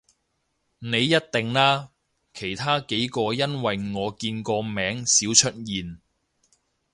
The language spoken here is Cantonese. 你一定啦，其他幾個因爲我見個名少出現